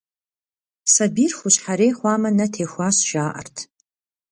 Сабийр хущхьэрей хъуамэ, нэ техуащ, жаӏэрт.